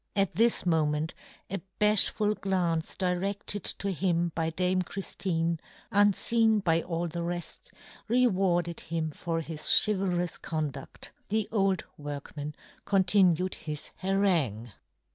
At this moment a bafhful glance diredted to him by dame Chriftine, unfeen by all the reft, rewarded him for his chival rous condudl. The old workman continued his harangue.